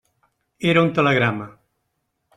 Era un telegrama.